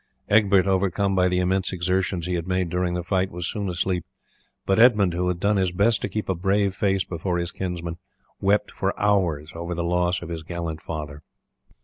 Egbert, overcome by the immense exertions he had made during the fight, was soon asleep; but Edmund, who had done his best to keep a brave face before his kinsman, wept for hours over the loss of his gallant father.